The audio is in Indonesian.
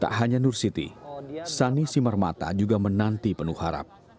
tak hanya nur siti sani simarmata juga menanti penuh harap